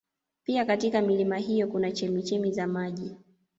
Pia katika milima hiyo kuna chemichemi za maji